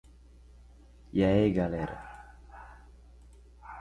A tecnologia blockchain está revolucionando setores.